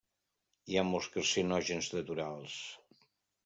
Hi ha molts carcinògens naturals.